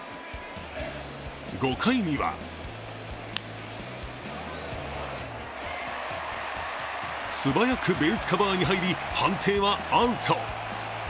５回には素早くベースカバーに入り判定はアウト。